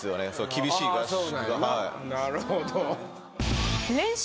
厳しい合宿が。